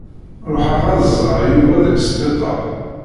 Ruḥeɣ ad d-ẓreɣ Yuba deg sbiṭar.